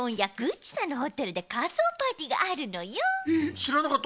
しらなかった。